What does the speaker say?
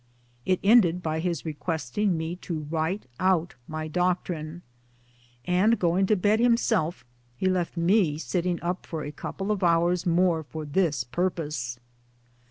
It ended by his requesting me to write out my doctrine ; and going to bed himself he left me sitting up for a couple of hours more for this pur pose.!